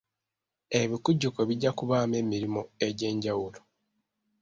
Ebikujjuko bijja kubaamu emirimu egy'enjawulo.